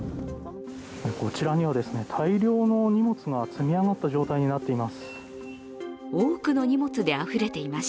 こちらには大量の荷物が積み上がった状態になっています。